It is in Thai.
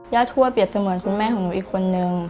ทั่วเปรียบเสมือนคุณแม่ของหนูอีกคนนึง